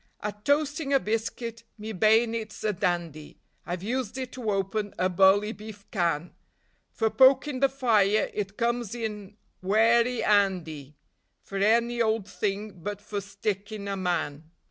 At toasting a biscuit me bay'nit's a dandy; I've used it to open a bully beef can; For pokin' the fire it comes in werry 'andy; For any old thing but for stickin' a man.